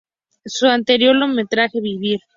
Su anterior largometraje, "¡Vivir!